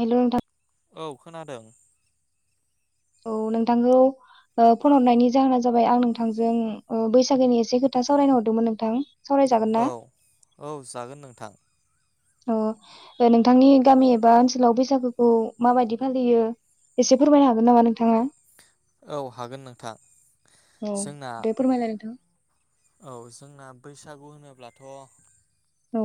हेल' नोंथां औ खोनादों। औ नोंथांखौ ओ फन हरनायनि जाहोना जाबाय आं नोंथांजों ओ बैसागोनि एसे खोथा सावरायनो हरदोंमोन नोंथां। सावरायजागोन ना औ औ जागोन नोंथां। अ नोंथांनि गामि एबा ओनसोलाव बैसागुखौ माबायदि फालियो एसे फोरमायनो हागोन नामा नोंथाङा? औ हागोन नोंथां औ जोंना दे फोरमायलाय नोंथां औ जोंना बैसागु होनोब्लाथ' औ।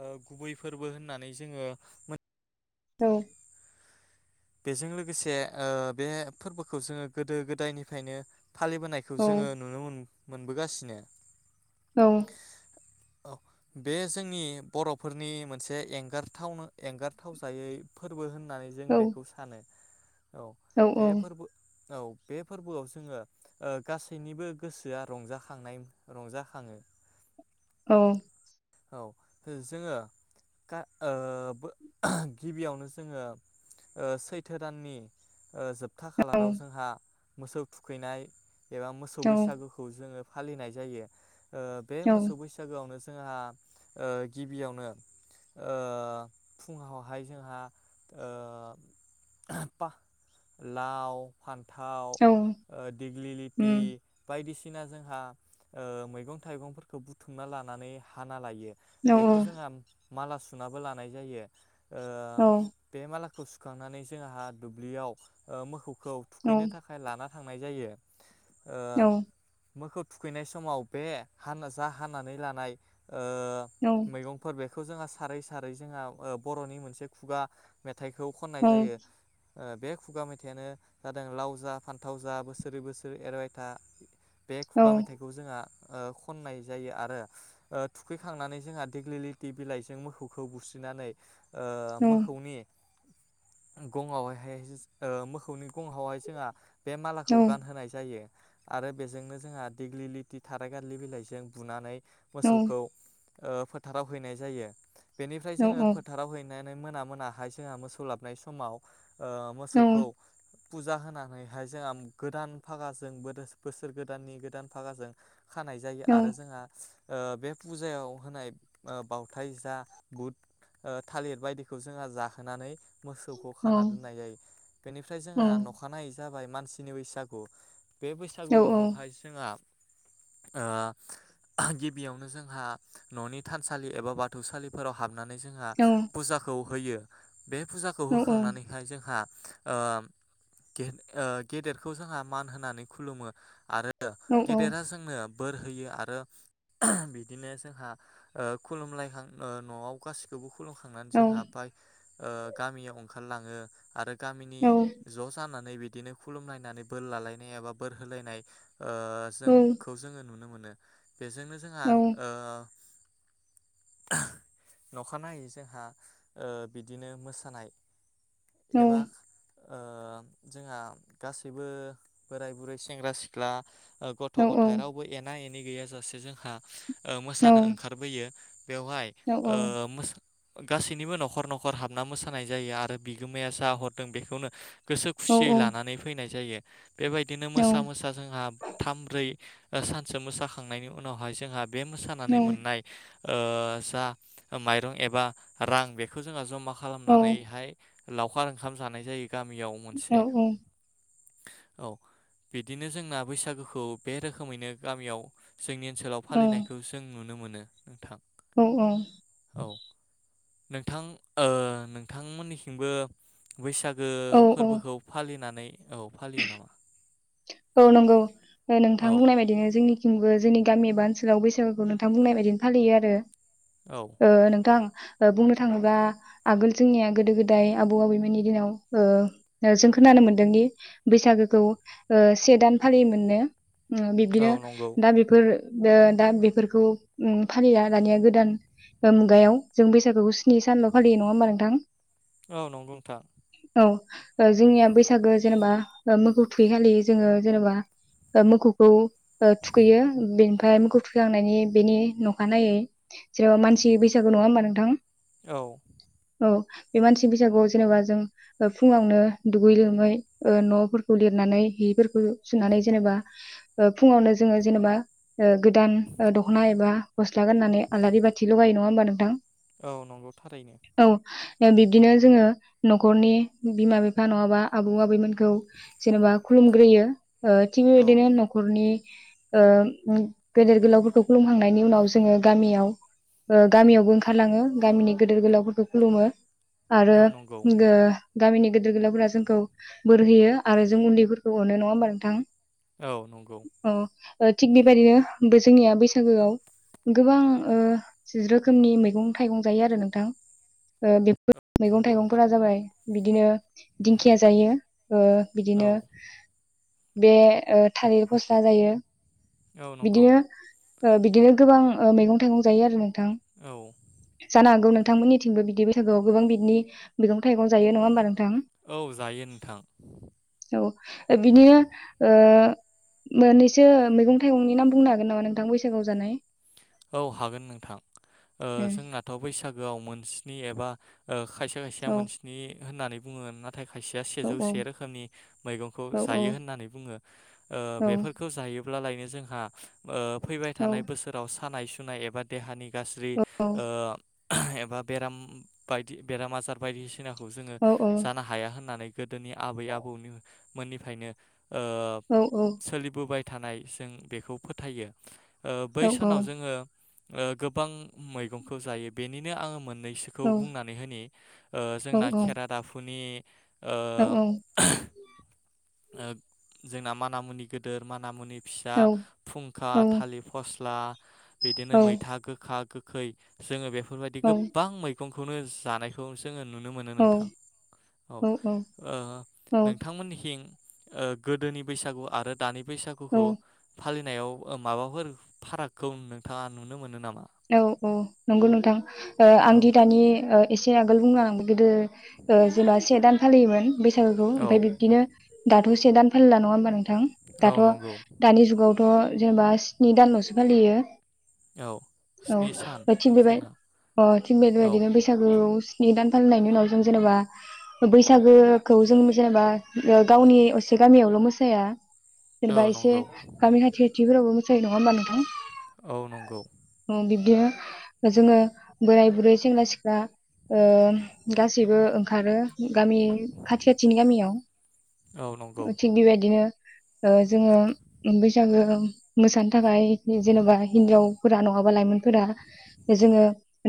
अ गुबै फोरबो होननानै जोङो मोन औ। बेजों लोगोसे अ बे फोरबोखौ जोङो गोदो गोदायनिफ्रायनो फालिबोनायखौ औ जोङो नुनो मोन मोनबोगासिनो। औ। औ बे जोंनि बर'फोरनि मोनसे एंगारथावनो एंगारथाव जायै फोरबो होन नाय जों औ बे सानो औ औ बे फोरबो औ बे फोरबोआव जोङो ओ गासैनिबो गोसोआ रंजाखांनाय- रंजाखाङो औ। औ जोङो गा- ओ गिबियावनो जोङो। ओ सैथो दाननि। ओ जोबथा खालाराव जोंहा। मोसौ थुखैनाय एबा मोसौ औ बैसागुखौ जोङो फालिनाय जायो। ओ बे औ मोसौ बैसागोआवनो जोडो जोंहा अ गिबियावनो अ फुङावहाय जोंहा अ [unintelligible] लाव फान थाव ओ औ दिग्लिलिथि उम बायदिसिना -दिना जोंहा अ मैगं थाइगंफोरखौ बुथुमना लानानै हाना लायो। औ बेखौ जोंहा माला सुनाबो लानाय जायो। ओ औ बे माला [unintelligible] सुखांनानै जों आंहा दुब्लियाव मोखौ खौ औ थुखैनो थाखाय लाना थांनाय जायो औ ओ मोखौ थुखैनाय समाव बे हान जा हानानै लानाय ओ औ औ मैगंफोर बे बेखौ जोंहा सारै सारै जोंहा बर'नि मोनसे खुा मेथाइखौ खौ खननाय जायो। ओ बे खुगा मेथाइआनो जादों लाव जा, फान्थाव जा बोसोरै बोसोरै एरबायथा बे खुगा मेथाइखौ जोंहा ओ खननाय जायो आरो थुखैखांनानै जोंहा देग्लिलिथि बिलाइजों मोसौखौ बुस्रिनानै ओ मोखौनि गङावहाय ओ मोखौनि गंङावहाय जोंहा बे मालाखौ गानहोनाय जायो। आरो बेजोंनो जोंहा दिेग्लि लिथि थाराय गारलि बिलाइजों बुनानै मोसौखौ ओ फोथाराव हैनाय जायो। बेनिफ्राय जोङो औ फोथाराव हैनो मोना मोनाहाय जोंहा मोसौ सोलाबनाय समाव ओ औ मोसौखौ फुजा होनानैहाय जोंहा गोदान फागाजों बोसोर गोदाननि गोदान फागाजों खानाय जायो औ आरो जोंहा ओ बे फुजायाव होनाय बावथाय जा बुट थालिर बायदिखौ जोंहा जाहोनानै मोसौखौ औ खाना दोननाय जायो बेनिफ्राय जोंहा नखानायै जाबाय मानसिनि बैसागु बे औ बैसागुआवहाय जोंहा ओ गिबियावनो जोंहा न'नि थानसालि एबा बाथौ सालिफोराव हाब नानै जोंहा औ फुजाखौ होयो बे फुजाखौ औ औ होखांनानैहाय जोंहा ओ गेदेरखौ जोंहा मान होनानै खुलुमो आरो औ औ गेदेरा जोंनो बोर होयो आरो बिदिनो जोंहा ओ खुलुमलायखां न'आव गासिखौबो औ खुलुमखांनानैसो हाबबाय ओ गामियाव ओंखारलाङो आरो गामिनि औ ज' जानानै बिदि। बिदिनो खुलुमलनायनानै बोर लालायनाय एबा बोर होलायनाय। ओ जों खौ जोङो नुनो मोनो। [unintelligible] बेजोंनो जोंहा ओ। नखानायै जोंहा बिदिनो मोस नाय [inaudible] एबा। ओ जोंहा गासैबो बोराय बुरै सेंग्रा सिख्ला। गथ' औ गथाय रावबो एना एनि। गैसे जोंहा [unintelligible] मोसानो ओंखारबोयो। बेवहाय ओ मोस गासैनिबो न'खर न'खर हाबना मोसा जायो आरो बिगोमाया जा हरदों बेखौनो। गोसो खुसियै औ लानानै फैनाय जायो। बेबायदिनो मोसा मोसा जोंहा थामब्रै। सानसे मोसाखांनायनि उनावहाय जोंहा। बे मोसानानै मोननाय। ओ जा माइरं एबा रां बेखौ जोंहा जमा खालाम नानैहाय। लावखार ओंखाम जानाय जायो। गामियाव मोनसे। औ बिदिनो जोंना बैसागुखौ बे रोखोमैनो गामियाव। जोंनि ओनसोलाव फालिनायखौ जों नु नुनो मोनो नोंथां। औ औ। औ नोंथां ओ। नोंथांमोननिथिंबो। बैसागो फोरबोखौ फालिनानै। औ फालियो नामा। औ नंगौ। नोंथां औ बुंनाय बायदिनो जोंनिथिंबो जोंनि। गामि एबा ओनसोलाव बैसागुखौ नोंथां बुंनाय बायदिनो फालियो आरो। औ ओ नोंथां ओ बुंनो थाङोबा आगोल जोंनिया गोदो गोदाय आबौ आबैमोननि दिनाव ओ जों खोनानो मोनदोंदि बैसागोखौ से दान फालियो मोननो औ बिब्दिनो नंगौ दा बेफोर ओ दा बेफोरखौ फालिला दानिया गोदान मुगायाव जों बैसागुखौ स्नि सानल' फालियो नङा होमबा नोंथां औ नंगौ नोंथां औ ओ जोंनिया बैसागो जेनेबा मोखौ थुखै खालि जोङो जेनेबा ओ मोखौखौ थुखैयो बेनिफ्राय मोखौ थुखैहांनायनि बेनि अखानायनायै जेनेबा मानसि बैसागु नङा होमबा नोंथां औ औ बे मानसि बैसागुआव जेनेबा जों फुङावनो दुगै लोमै ओ न'फोरखौ लिरनानै बि हि सुनानै जेनेबा ओ फुङावनो जोङो जेन'बा ओ गोदान दख'ना एबा गस्ला गाननानै आलारि बाथि लगायो नङा होमबा नोंथां। औ नंगौ थारैनो औ बिब्दिनो जोङो न'खरनि बिमा बिफा नङाबा आबौ आबैमोनखौ जेनेबा खुलुम ग्रोयो ओ थिग औ बेबायदिनो न'खरनि ओ गेदेर गोलावफोरखौ खुलुमखांनायनि उनाव जोङो गामियाव ओ गामियावबो ओंखारलाङो गामिनि गेदेर गोलावफोरखौ खुलुमो आरो औ नंगौ गोओ गामिनि गेदेर गोलावफोरा जोंखौ बोर होयो आरो जों उन्दैफोर खौ अनो नङा होमबा नोंथां औ नंगौ औ थिग बेबायदिनो जोंनिया बैसागोआव गोबां ओ रोखोमनि मैगं थाइगं जायो आरो नोंथां ओ बेफो र नंगौ मैगं नोंथां थाइगंफोरा जाबाय बिदिनो दिंखिया जायो ओ औ बिदिनो बे ओ थालिर फस्ला जायो। औ नंगौ बिदिनो ओ बिदिनो गोबां ओ मैगं थाइगं जायो आरो जों थां औ जानो हागौ नों थांमोननिथिंबो बिदि बैसागोआव गोबां बिदिनि मैगं थाइं जायो नङा होमबा नोंथां। औ जायो नोंथां औ बिदिनो ओ मोननैसो मैगं थाइगंनि नाम बुंनो हागोन नामा नोंथां बैसागुआव जानाय। औ हागोन नोंथां ओ जोंनाथ' बैसागोआव मोनस्नि एबा ओ खायसे खायसेया ओ मोन्सि होननानै बुङो नाथाय खायसेया औ सेजौ औ से रोखोमनि मैगंखौ औ जायो औ होननानै बुङो ओ औ बेफोरखौ जायो ब्लालायनो जोंहा ओ फैबाय औ थानाय बोसोराव सानाय सुनाय एबा देहानि गाज्रि औ औ ओ एबा बेराम बायदि बेराम आजार बायदिसिना जोङो औ जानो हाया होननानै गोदोनि आबै आबौनि मोननिफ्रायनो ओ औ सोलिबोबाय थानाय जों बेखौ फोथायो। ओ औ बै सानाव ओ ओ गोबां मैगंखौ जायो बेनिनो आङो मोन नैसोखौ बुंनानै होननि ओ जोंना खेरा दाफुनि औ औ ओ जोंना माना मुनि गिदेर माना मुनि फिसा फुंखा थालिर फस् ला बिदिनो मैथा गोखा गो खै जोङो बे फोर बायाददि गोबां मै गं खौनो जानायखौ जों नुनो मोनो नोंथां औ ओ नोंथांमोननिहिं ओ गोदोनि बैसागु आरो दानि औ बैसागुखौ फालि नाव माबाफोर फाराग खौ नोंथाङा नुनो मोनो नामा औ औ नंगौ नोंथां ओ औ आंदि दानि ओ एसे आगोल बुंनो आं गोदो जेनबा से दान फालियोमोन बैसागुखौ औ ओमफ्राय बिब्दिनो दाथ ससे दान फेरला नङा होनबानो थां औ दाथ नंगौ दानि जुगावथ जेनेबा स्नि दानावसो फालियो औ स्नि सान औ थिग बेबाय जोंना अ थिग बेबाय औ बिदिनो बैसागु स्नि दान फालिनायनि उनाव जों जेनेबा बैसागोखौ जों जेनेबा गावनि असे गामियावल मोसाया औ जेनबा एसे नंगौ गामि खाथि खाथिफोरावबो जाय नङा होमबा नोंथां। औ नंगौ। उम बिब्दिनो जोङो बोराय बुरै सेंग्रा सिख्ला ओ गासैबो ओंखारो। गामि खाथि खाथिनि गामिआव औ नंगौ थिग बेबायदिनो ओ जोङो उम बैसागो उम मोसान थाखाय जेनोबा हिन्जाव फोरा न' ङाबा लाइमोनफोरा जोङो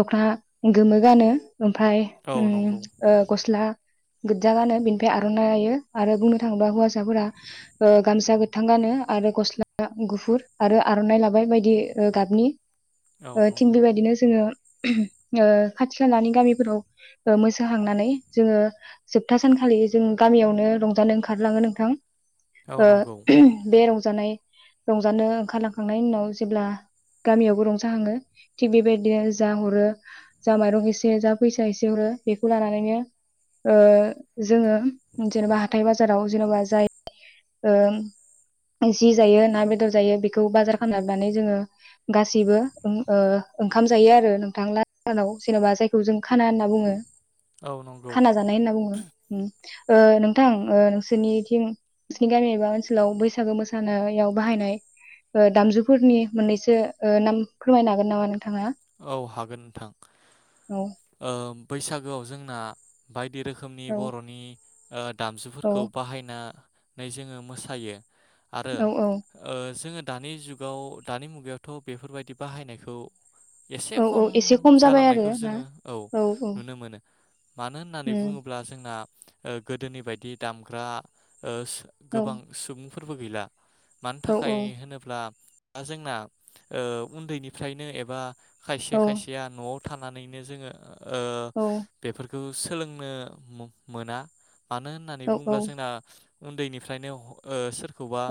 दख'ना गोमो गानो। ओमफाय औ उम नंगौ औ नंगौ उह गस्ला गोदजा गानो बिनिफाय आर'नाइ लायो। आरो बुंनो थाङोबा हौवासाफोरा ओ गामसा गोथां गानो आरो गस्ला गुफुर आरो आर'नाइ लाबाय बायदि गाबनि। औ ओ थिग बिबायदिनो जोङो ओ खाथि खालानि गामिफोरआव मोसाहांनानै जोङो जोबथा सानखालि जों गामिआवनो रंजानो ओंखारलाङो नोंथां। ओ नंगौ बे रं जानाय रंजानो ओंखारलांखांनायनि उनाव जेब्ला एह गामिआवबो रंजाहांङो थिग बेबायदिनो जा हरो जा माइरं एसे जा फैसा एसे हरो बेखौ लानानैनो उह जोङो जेनबा हाथाइ बाजाराव जेनबा जाय उह जि जायो ना बेदर जायो बिखौ बाजार खलमना दोनानै जोङो गासैबो उम उह ओंखाम जायो आरो नोंथां लास सानाव जेनबा जायखौ जों खाना होनना बुङो औ नंगौ खाना जानाय होनना बुङो। ओ नोंथां उह नोंसोरनिथिं नोंसिनि गामि एबा ओनसोलाव बैसागो मोसानाआव बाहायनाय दामजुफोरनि मोननैसो उह नाम फोरमायनो हागोन नामा नों औ हागोन नोंथां औ ओम बैसागोआव जोंना बायदि रोखोमनि औ बर'नि ओ औ दामजुफोरखौ बाहायना नै जोङो मोसायो। आरो औ औ ओ जोङो दानि जुगाव दानि मुगायावथ' बेफोरबायदि बाहायनायखौ एसे औ औ खम एसे खम जाबाय आरो जालांनायखौ ना जोङो औ नुनो मोनो मानो होननानै उम बुङोब्ला जोंना उह गोदोनि बायदि दामग्रा उह सु औ गोबां सुबुं फोरबो गैला। मानि औ थाखाय औ होनोब्ला दा जोंना ओ उन्दैनिफ्रायनो एब बा खायसे औ खायसेया न'आव थानानैनो जोङो ओ औ बेफोर खौ सोलोंबाय आरो मोना। मानो होननानै औ औ बुङोब्ला जोंना उन्दैनिफ्रायनो ओ सोर। बा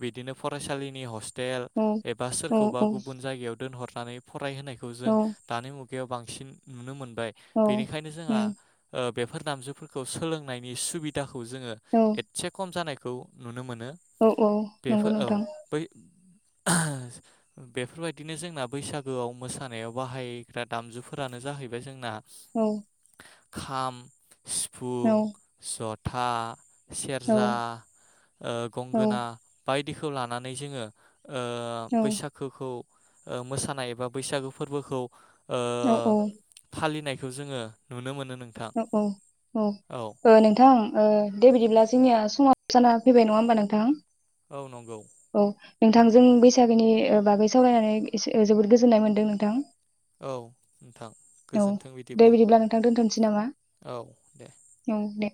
बिदिनो। फरायसालिनि हस्ट। टेल औ एबा सोरखौबा गुबुन जायगायाव दोनहर [unintelligible] फरायहोनायखौ जों दानि मु जुगायाव बांसिन नुनो मोनदों। फ्राय बेनिखायनो जोंहा उम ओ। बेफोर नामजुफोरखौ सोलोंनायनि सुबिदाखौ। जोङो औ एसे खम जानाय खौ नुनो मोनो औ औ नंगौ बेफोर औ नोंथां। बै बेफोरबायदिनो जोंना बैसागु। गोआव मोसानायाव बाहायग्रा दामजुफोरानो जाहैबाय जोंना औ। खाम औ सिफुं सत था। औ सेरजा‌ औ गंगोना ओ बायदि बेखौ लानानै जोङो ओ बैसागोखौ ओ मोसानाय ओ बैसागु फोरबोखौ। ओ औ फालिनाय बेखौ जोङो नुनो मोनो औ औ औ नोंथां दे बिदिब्ला जोंनिया समा जाना फैबाय नङा होमबा नोंथां। औ नंगौ। औ नोंथांजों बैसागोनि ओ बागै सावरायनानै इसे ओ जोबोद गोजोननाय मोनदों नोंथां। औ नोंथां गोजोन्थों बिदिब्ला। नोसै नामा औ दे। औ दे।